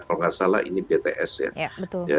kalau nggak salah ini bts ya